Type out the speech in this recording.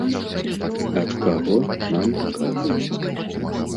Ад каго, нам не кажуць.